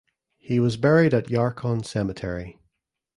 He was buried at Yarkon Cemetery.